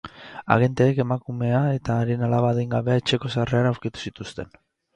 Agenteek emakumea eta haren alaba adingabea etxeko sarreran aurkitu zituzten.